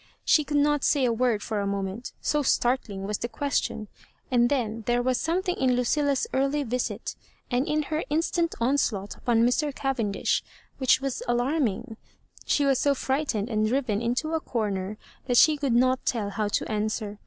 She could not say a woM for a moment^ so startling was the question ; and then there was something in Lucilla's early visit, and in her in* stant on&ught upon Mr. Cavendish, which was alarming. She was so frightened and driven into a comer that she could not tell how to an swer.